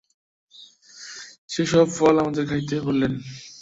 সে-সব ফল আমাদের খাইতে বলিলেন।